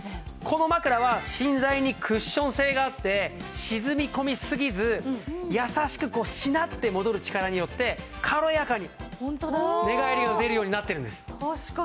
この枕は芯材にクッション性があって沈み込みすぎず優しくしなって戻る力によって軽やかに寝返りが打てるようになってるんです。